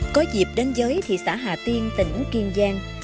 có dịp đến với thị xã hà tiên tỉnh kiên giang